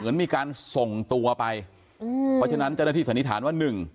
เหมือนมีการส่งตัวไปอืมเพราะฉะนั้นเจ้าหน้าที่สันนิษฐานว่าหนึ่ง